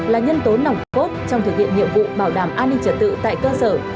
là nhân tố nòng cốt trong thực hiện nhiệm vụ bảo đảm an ninh trật tự tại cơ sở